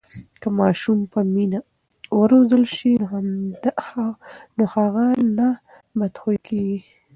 که ماشوم په مینه و روزل سي نو هغه نه بدخویه کېږي.